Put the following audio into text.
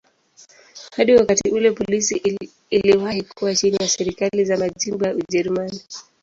Hadi wakati ule polisi iliwahi kuwa chini ya serikali za majimbo ya Ujerumani.